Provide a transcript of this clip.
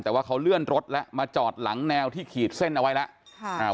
แต่ว่าเขาเลื่อนรถแล้วมาจอดหลังแนวที่ขีดเส้นเอาไว้แล้ว